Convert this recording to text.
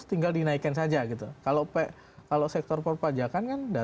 iya ini kan tahunan ya